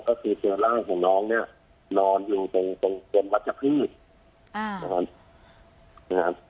ก็คือเสือร่างของน้องเนี้ยนอนอยู่ตรงตรงตรงวัดชะพืชอ่า